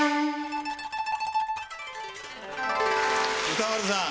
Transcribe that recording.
歌丸さん。